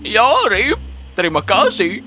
ya rip terima kasih